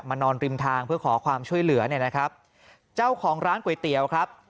นอนริมทางเพื่อขอความช่วยเหลือเนี่ยนะครับเจ้าของร้านก๋วยเตี๋ยวครับ